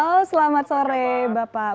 oh selamat sore bapak